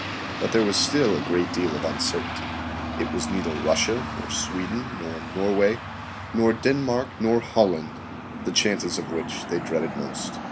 But there was still a great deal of uncertainty. It was neither Russia, nor Sweden, nor Norway, nor Denmark, nor Holland, the chances of which they dreaded most.